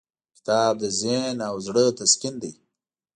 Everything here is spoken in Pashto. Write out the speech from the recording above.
کتاب د ذهن او زړه تسکین دی.